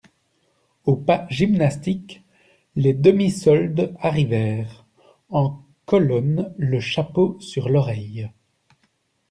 Au pas gymnastique, les demi-soldes arrivèrent, en colonne, le chapeau sur l'oreille.